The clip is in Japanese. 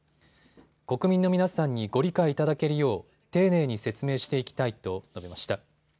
国民の皆さんにご理解いただけるよう丁寧に説明していきたいと述べました。